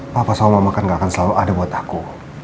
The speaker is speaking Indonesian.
papa sama makan gak akan selalu ada buat aku